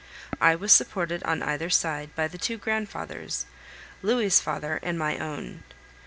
I was supported on either side by the two grandfathers Louis' father and my own.